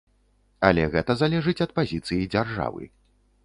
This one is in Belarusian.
Але гэта залежыць ад пазіцыі дзяржавы.